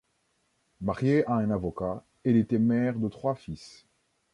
Mariée à un avocat, elle était mère de trois fils.